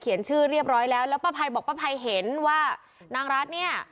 ชื่อเรียบร้อยแล้วแล้วป้าภัยบอกป้าภัยเห็นว่านางรัฐเนี่ย